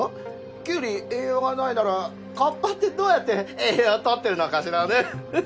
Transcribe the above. きゅうり栄養がないならカッパってどうやって栄養取ってるのかしらね？